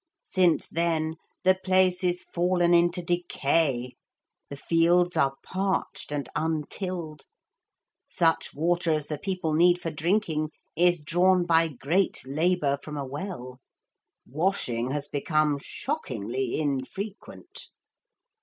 Since then the place is fallen into decay. The fields are parched and untilled. Such water as the people need for drinking is drawn by great labour from a well. Washing has become shockingly infrequent.'